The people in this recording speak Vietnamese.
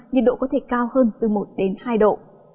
nhiệt độ có thể cao hơn từ một đến hai độ